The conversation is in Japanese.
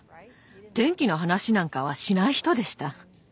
天気の話なんかはしない人でした。